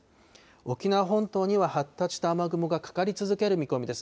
沖縄本島には発達した雨雲がかかり続ける見込みです。